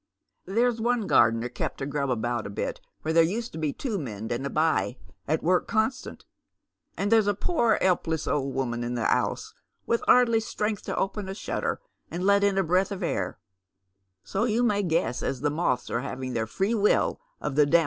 There's one gardener kept to grub about a bit, where tiiere used to be two men and a by at work constant, and there's a pore 'elpless old woman in the 'ouse, with 'ardly strength to open a shutter and let in a breath of air, so ymi may guess as the moths are having their free will of the dam